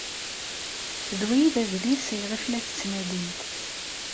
D wa ay d adlis ayɣef la tettnadimt?